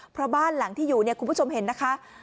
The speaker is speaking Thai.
เพราะบ้านหลังที่อยู่เนี่ยคุณผู้ชมเห็นนะคะ